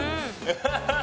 ハハハハ！